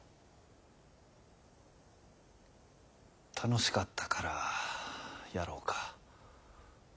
楽しかったからやろかぁ。